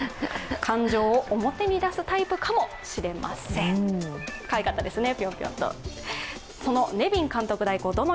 感情を表に出すタイプかもしれません、かわいい方ですね。